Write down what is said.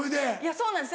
そうなんですよ。